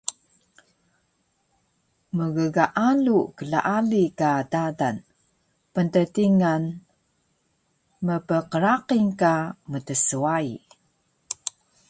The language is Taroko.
Mggaalu klaali ka dadal, pnttingan mpqraqil ka mtswai